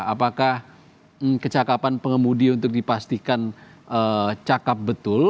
apakah kecakapan pengemudi untuk dipastikan cakap betul